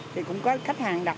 thì cũng có khách hàng đặt